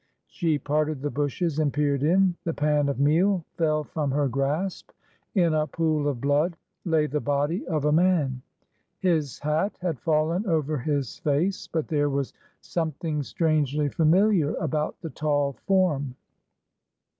She parted the bushes and peered in. The pan of meal fell from her grasp. In a pool of blood lay the body of a 298 ORDER NO. 11 man. His hat had fallen over his face, but there was something strangely familiar about the tall form.